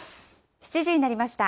７時になりました。